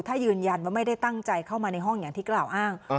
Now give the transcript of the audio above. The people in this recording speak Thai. ถ้ายืนยันว่าไม่ได้ตั้งใจเข้ามาในห้องอย่างที่กล่าวอ้าง